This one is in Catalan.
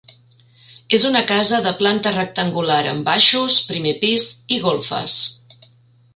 És una casa de planta rectangular amb baixos, primer pis i golfes.